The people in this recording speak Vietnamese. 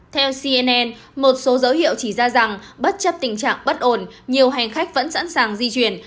theo cnn một số dấu hiệu chỉ ra rằng bất chấp tình trạng bất ổn nhiều hành khách vẫn sẵn sàng di chuyển